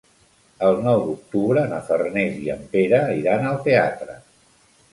El nou d'octubre na Farners i en Pere iran al teatre.